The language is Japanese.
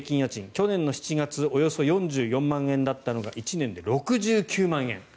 去年７月およそ４４万円だったのが１年で６９万円。